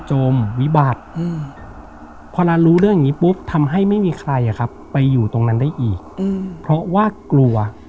หรือไปอยู่ตรงนั้นได้อีกเพราะว่ากลัว